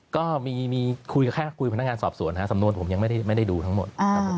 ก็คุยแค่คุยกับพนักงานสอบสวนนะคะสำนวนผมยังไม่ได้ดูทั้งหมด